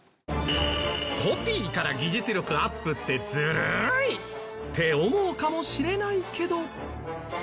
コピーから技術力アップってずるい！って思うかもしれないけど。